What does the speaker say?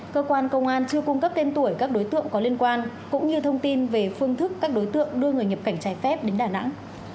cơ quan công an chưa cung cấp tên tuổi các đối tượng có liên quan cũng như thông tin về phương thức các đối tượng đưa người nhập cảnh trái phép đến đà nẵng